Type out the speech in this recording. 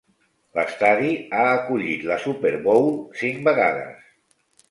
L'estadi ha acollit la Super Bowl cinc vegades.